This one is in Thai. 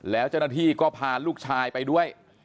แล้วเจ้าหน้าที่ก็พาลูกชายไปด้วย